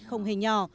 không hề nhỏ